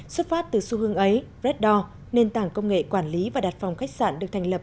xuất phát từ xu hướng ấy reddor nền tảng công nghệ quản lý và đặt phòng khách sạn được thành lập